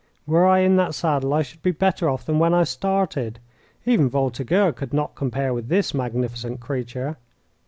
Were I in that saddle I should be better off than when I started. Even Voltigeur could not compare with this magnificent creature.